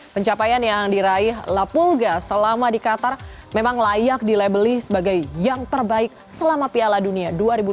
pencapaian yang diraih lapulga selama di qatar memang layak dilebeli sebagai yang terbaik selama piala dunia dua ribu dua puluh